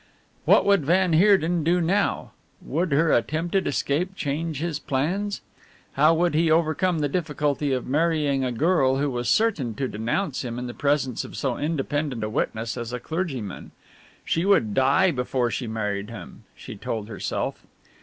What would van Heerden do now? Would her attempted escape change his plans? How would he overcome the difficulty of marrying a girl who was certain to denounce him in the presence of so independent a witness as a clergyman? She would die before she married him, she told herself.